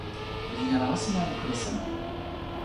linja lawa sina li kule seme?